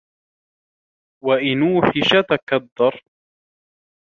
وَإِنْ أُوحِشَ تَكْدَرَ